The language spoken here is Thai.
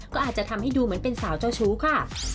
ก็อาจจะทำให้ดูเหมือนเป็นสาวเจ้าชู้ค่ะ